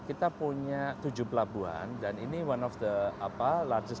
kita punya tujuh pelabuhan dan ini one of the larders